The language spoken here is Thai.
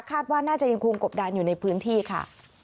ว่าน่าจะยังคงกบดานอยู่ในพื้นที่ค่ะ